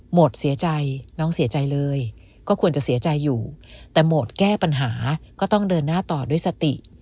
หมดเสียใจน้องเสียใจเลยก็ควรจะเสียใจอยู่แต่โหมดแก้ปัญหาก็ต้องเดินหน้าต่อด้วยสติ